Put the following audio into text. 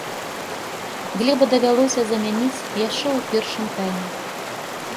Глеба давялося замяніць яшчэ ў першым тайме.